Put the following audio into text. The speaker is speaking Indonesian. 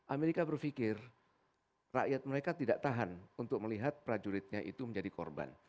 amerika berpikir rakyat mereka tidak tahan untuk melihat prajuritnya itu menjadi korban